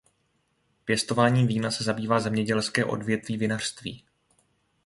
Pěstováním vína se zabývá zemědělské odvětví vinařství.